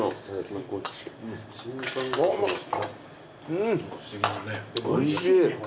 うんおいしい。